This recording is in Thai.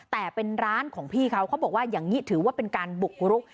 แต่เป็นร้านของพี่เขาเขาบอกว่าอย่างนี้ถือว่าเป็นการบุกรุก